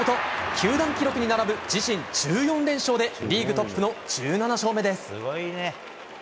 球団記録に並ぶ自身１４連勝でリーグトップの１７勝目です。